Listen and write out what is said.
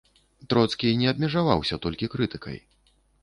Троцкі не абмежаваўся толькі крытыкай.